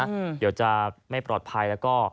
เดี๋ยวจะไม่ปลอดภัยแล้วก็